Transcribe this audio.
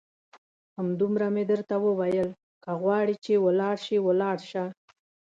همدومره مې درته وویل، که غواړې چې ولاړ شې ولاړ شه.